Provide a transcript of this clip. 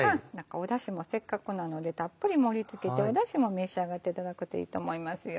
だしもせっかくなのでたっぷり盛り付けてだしも召し上がっていただくといいと思いますよ。